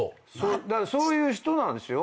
そういう人なんですよ。